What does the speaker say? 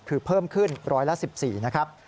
คือเพิ่มขึ้นร้อยละ๑๔นะครับ